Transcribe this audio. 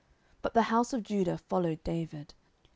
But the house of Judah followed David.